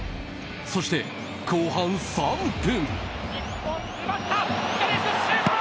そして後半３分。